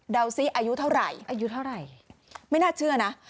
เดาสิอายุเท่าไหร่ไม่น่าเชื่อนะ